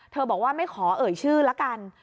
บอกว่าไม่ขอเอ่ยชื่อละกัน